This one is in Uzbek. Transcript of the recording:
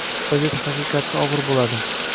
vaziyat haqiqatda og‘ir bo‘ladi.